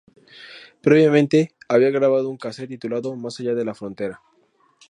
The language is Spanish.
Previamente había grabado un casette titulado "Más allá de la frontera".